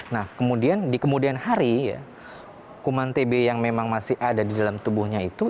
nah kemudian di kemudian hari ya kuman tb yang memang masih ada di dalam tubuhnya itu